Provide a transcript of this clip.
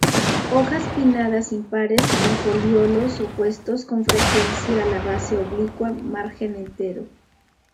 Hojas pinnadas impares; con foliolos opuestos; con frecuencia la base oblicua, margen entero.